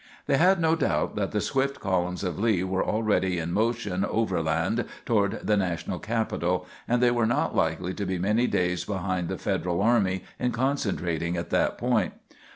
They had no doubt that the swift columns of Lee were already in motion overland toward the National capital, and they were not likely to be many days behind the Federal army in concentrating at that point.